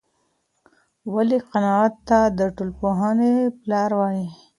ولي کنت ته د ټولنپوهنې پلار وايي؟